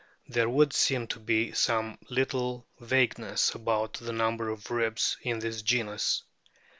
There would seem to be some little vagueness about the number of ribs in this genus.